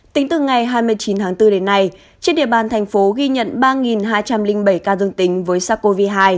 tính từ ngày hai mươi chín tháng bốn đến nay trên địa bàn thành phố ghi nhận ba hai trăm linh bảy ca dương tính với sars cov hai